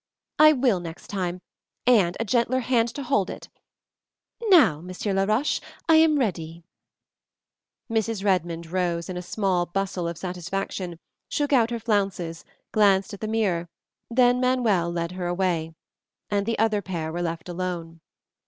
"I will next time, and a gentler hand to hold it. Now, Monsieur Laroche, I am ready." Mrs. Redmond rose in a small bustle of satisfaction, shook out her flounces, glanced at the mirror, then Manuel led her away; and the other pair were left alone.